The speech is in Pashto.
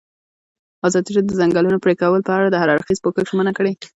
ازادي راډیو د د ځنګلونو پرېکول په اړه د هر اړخیز پوښښ ژمنه کړې.